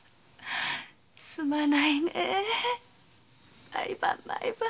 すまないねえ毎晩毎晩。